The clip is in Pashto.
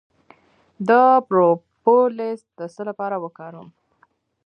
د پروپولیس د څه لپاره وکاروم؟